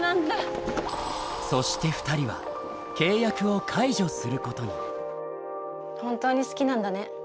そして２人は契約を解除することに本当に好きなんだね。